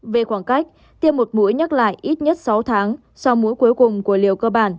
về khoảng cách tiêm một mũi nhắc lại ít nhất sáu tháng sau mũi cuối cùng của liều cơ bản